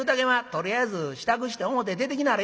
とりあえず支度して表出てきなはれ。